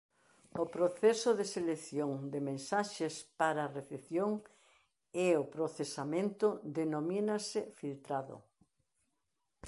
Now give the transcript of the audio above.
O proceso de selección de mensaxes para a recepción e o procesamento denomínase "filtrado".